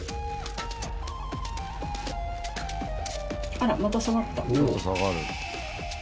あらまた下がった。